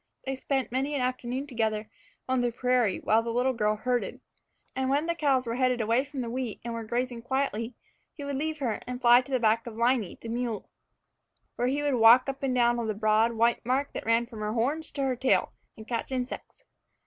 They spent many an afternoon together on the prairie while the little girl herded. And when the cows were headed away from the wheat and were grazing quietly, he would leave her and fly to the back of Liney, the muley, where he would walk up and down the broad, white mark that ran from her horns to her tail, and catch insects.